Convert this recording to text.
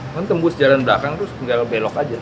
kan tembus jalan belakang terus tinggal belok aja